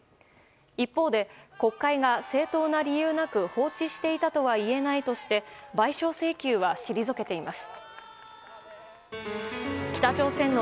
一方で、国会が正当な理由なく放置していたとはいえないとして賠償請求は退けています。